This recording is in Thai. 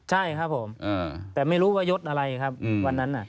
ใช่ครับผมแต่ไม่รู้ว่ายศอะไรครับวันนั้น